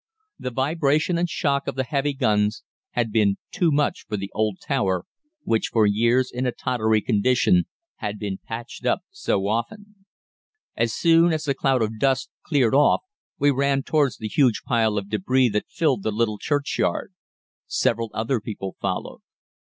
The vibration and shock of the heavy guns had been too much for the old tower, which, for years in a tottery condition, had been patched up so often. "As soon as the cloud of dust cleared off we ran towards the huge pile of débris that filled the little churchyard. Several other people followed.